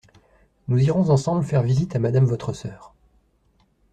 Nous irons ensemble faire visite à Madame votre sœur.